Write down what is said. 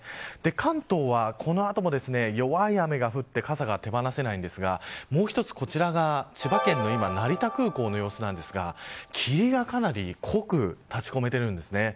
関東はこの後も弱い雨が降って傘が手放せないんですがもう一つ、こちらが千葉県の成田空港の様子なんですが霧がかなり濃く立ち込めているんですね。